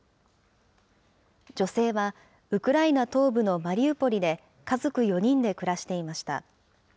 女性はウクライナ東部のマリウポリで家族４人で暮らしていました。